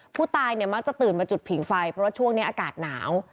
ผู้ตายเนี่ยมักจะตื่นมาจุดผิงไฟเพราะว่าช่วงนี้อากาศหนาว